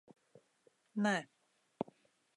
Nē.